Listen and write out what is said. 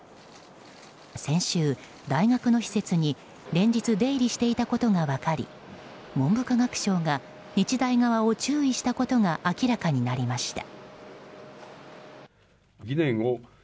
先週、大学の施設に連日出入りしていたことが分かり文部科学省が日大側を注意したことが明らかになりました。